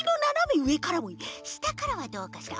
したからはどうかしら？